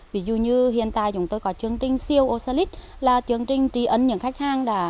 ví dụ như hiện tại chúng tôi có chương trình siêu osalit là chương trình trí ân những khách hàng đã